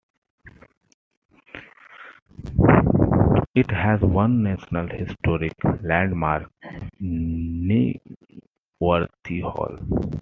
It has one National Historic Landmark, Kenworthy Hall.